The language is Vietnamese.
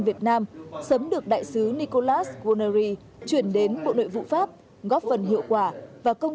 việt nam sớm được đại sứ nicolas gonary chuyển đến bộ nội vụ pháp góp phần hiệu quả và công